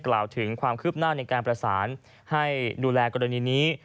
กล่าวถึงความคืบหน้าในการประสานให้ดูแลกรณีนี้